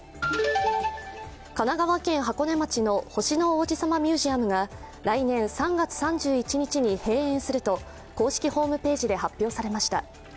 神奈川県箱根町の星の王子さまミュージアムが来年３月３１日に閉園すると公式ホームページで発表されました。